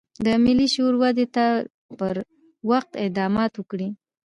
د ملي شعور ودې ته پر وخت اقدامات وکړي.